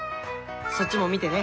そっちも見てね。